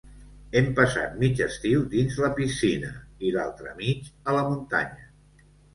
Hem passat mig estiu dins la piscina i l'altre mig a la muntanya.